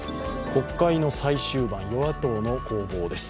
国会の最終盤、与野党の攻防です